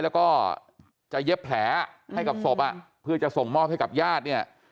แล้วก็จะเย็บแผลให้กับศพอ่ะเพื่อจะส่งมอบให้กับญาติเนี่ย